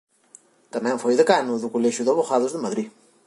Tamén foi decano do Colexio de Avogados de Madrid.